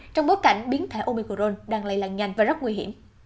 trong bối cảnh biến thể omicron đang lây làn nhanh và rất nguy hiểm